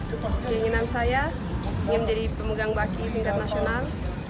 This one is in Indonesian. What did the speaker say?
inginan saya ingin menjadi pemegang bagi tingkat nasional